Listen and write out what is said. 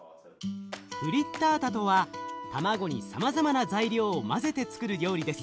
フリッタータとは卵にさまざまな材料を混ぜてつくる料理です。